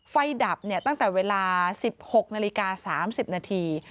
ดับตั้งแต่เวลา๑๖นาฬิกา๓๐นาที